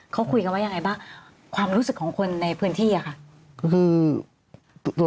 เขาคุยกันว่ายังไงบ้างความรู้สึกของคนในพื้นที่อะค่ะ